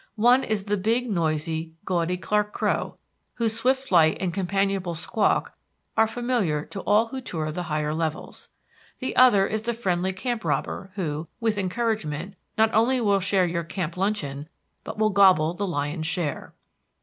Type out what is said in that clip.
One is the big, noisy, gaudy Clark crow, whose swift flight and companionable squawk are familiar to all who tour the higher levels. The other is the friendly camp robber, who, with encouragement, not only will share your camp luncheon, but will gobble the lion's share.